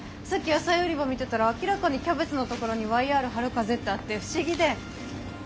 さっき野菜売り場見てたら明らかにキャベツのところにＹＲ春風ってあって不思議で！